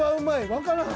わからん。